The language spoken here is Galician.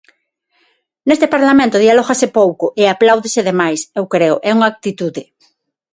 Neste Parlamento dialógase pouco e apláudese de mais, eu creo, é unha actitude.